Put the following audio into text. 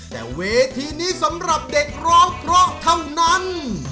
แต่เวทีนี้สำหรับเด็กร้องเพราะเท่านั้น